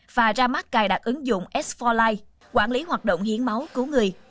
và ra mắt cài đặt ứng dụng s bốn life quản lý hoạt động hiến máu cứu người